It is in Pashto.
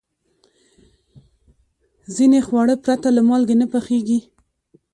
ځینې خواړه پرته له مالګې نه پخېږي.